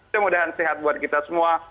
semoga sehat buat kita semua